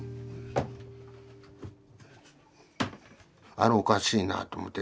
「あれおかしいな」と思って。